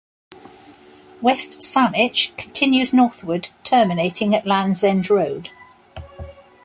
West Saanich continues northward, terminating at Land's End Road.